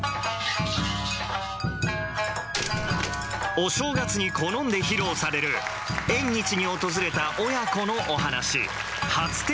お正月に好んで披露される縁日に訪れた親子のお噺「初天神」。